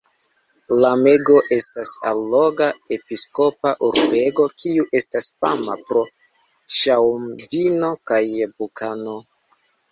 Lamego estas alloga episkopa urbego, kiu estas fama pro ŝaŭmvino kaj bukano.